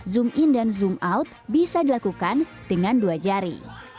zoom in dan zoom out bisa dilakukan dengan dua jari